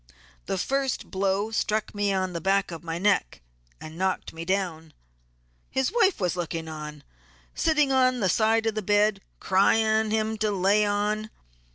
The first blow struck me on the back of my neck and knocked me down; his wife was looking on, sitting on the side of the bed crying to him to lay on.